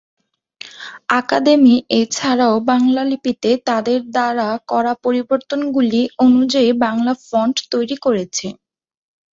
Academy এছাড়াও বাংলা লিপিতে তাদের দ্বারা করা পরিবর্তনগুলি অনুযায়ী বাংলা ফন্ট তৈরি করেছে।